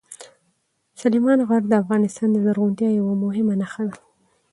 سلیمان غر د افغانستان د زرغونتیا یوه مهمه نښه ده.